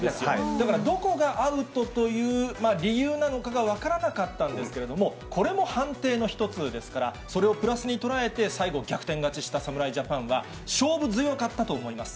だからどこがアウトという理由なのかが分からなかったんですけども、これも判定の一つですから、それをプラスに捉えて、最後、逆転勝ちした侍ジャパンは勝負強かったと思います。